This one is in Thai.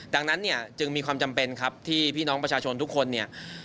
ดังนั้นเนี่ยจึงมีความจำเป็นครับที่พี่น้องประชาชนทุกคนเนี่ย